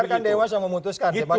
biarkan dewas yang memutuskan